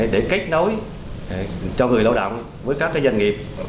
để kết nối cho người lao động với các doanh nghiệp